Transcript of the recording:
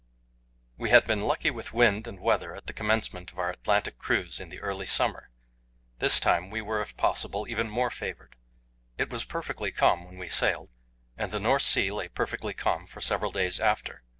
We had been lucky with wind and weather at the commencement of our Atlantic cruise in the early summer; this time we were, if possible, even more favoured. It was perfectly calm when we sailed, and the North Sea lay perfectly calm for several days after.